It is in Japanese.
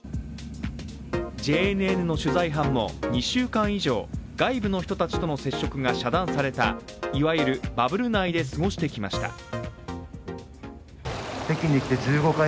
ＪＮＮの取材班も２週間以上、外部の人たちとの接触が遮断された、いわゆるバブル内で過ごしてきました。